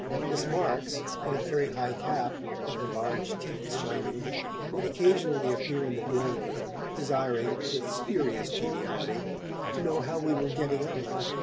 Miss Marks, in a very high cap, and her large teeth shining, would occasionally appear in the doorway, desiring, with spurious geniality, to know how we were 'getting on'.